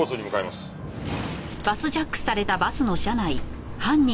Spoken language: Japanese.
はい。